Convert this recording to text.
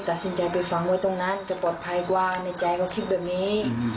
ตัดสินใจไปฝังไว้ตรงนั้นจะปลอดภัยกว่าในใจเขาคิดแบบนี้